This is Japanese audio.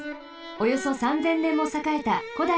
およそ３，０００ねんもさかえたこだい